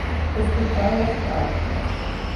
Estripar les cartes.